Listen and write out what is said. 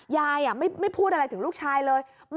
ยายไม่พูดอะไรถึงลูกชายเลย